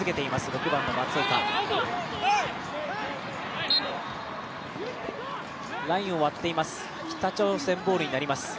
６番の松岡ラインを割っています、北朝鮮ボールになります。